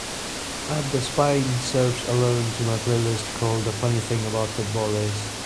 add The Spine Surfs Alone to my playlist called The Funny Thing About Football Is